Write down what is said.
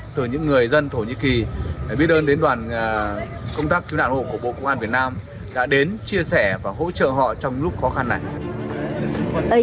từ những người dân thổ nhĩ kỳ để biết ơn đến đoàn công tác kiếm nạn khu hộ của bộ công an việt nam đã đến chia sẻ và hỗ trợ họ trong lúc khó khăn này